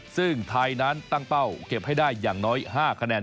ซึ่งไทยนั้นตั้งเป้าเก็บให้ได้อย่างน้อย๕คะแนน